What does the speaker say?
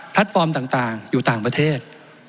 ฟอร์มต่างอยู่ต่างประเทศ